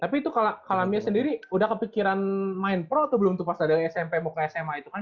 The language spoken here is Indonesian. tapi itu kalamia sendiri udah kepikiran main pro atau belum tuh pas ada smp mau ke sma itu kan